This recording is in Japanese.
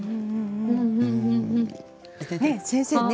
先生ね